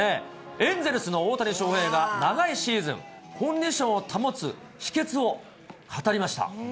エンゼルスの大谷翔平が長いシーズン、コンディションを保つ秘けつを語りました。